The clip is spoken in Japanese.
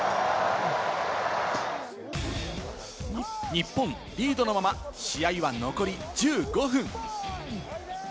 日本、リードのまま試合は残り１５分。